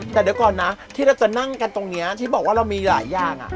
แต่เดี๋ยวก่อนนะที่เราจะนั่งกันตรงนี้ที่บอกว่าเรามีหลายอย่าง